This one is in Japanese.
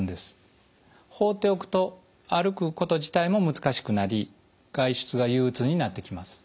放っておくと歩くこと自体も難しくなり外出が憂鬱になってきます。